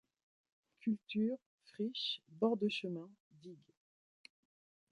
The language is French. Cultures, friches, bords de chemins, digues.